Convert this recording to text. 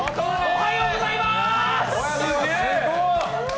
おはようございます！